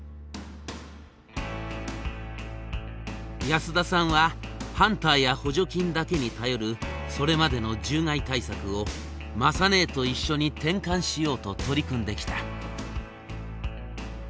安田さんはハンターや補助金だけに頼るそれまでの獣害対策を雅ねえと一緒に転換しようと取り組んできた。